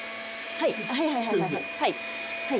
はいはいはいはい。